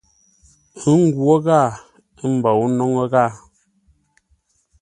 Ə́ nghwó ghâa, ə́ mbôu nóŋə́ ghâa.